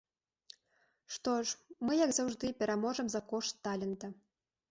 Што ж, мы, як заўжды, пераможам за кошт талента.